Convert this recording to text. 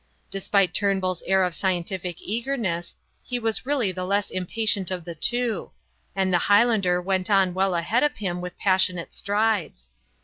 Despite Turnbull's air of scientific eagerness, he was really the less impatient of the two; and the Highlander went on well ahead of him with passionate strides.